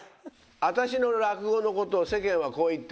私の落語のことを世間はこう言っています。